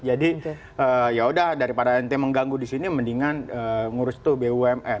jadi yaudah daripada ente mengganggu disini mendingan ngurus tuh bumn